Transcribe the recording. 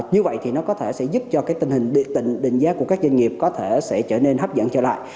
như vậy thì nó có thể sẽ giúp cho tình hình định giá của các doanh nghiệp có thể sẽ trở nên hấp dẫn trở lại